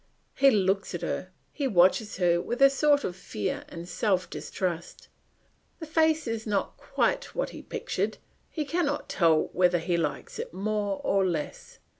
He looks at her; he watches her with a sort of fear and self distrust. The face is not quite what he pictured; he cannot tell whether he likes it more or less.